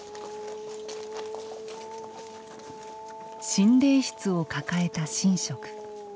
神霊櫃を抱えた神職。